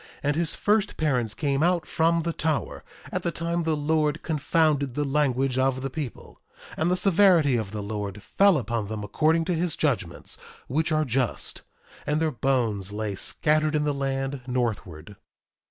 And his first parents came out from the tower, at the time the Lord confounded the language of the people; and the severity of the Lord fell upon them according to his judgments, which are just; and their bones lay scattered in the land northward.